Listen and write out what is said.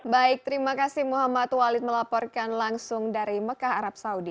baik terima kasih muhammad walid melaporkan langsung dari mekah arab saudi